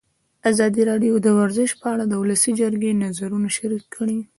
ازادي راډیو د ورزش په اړه د ولسي جرګې نظرونه شریک کړي.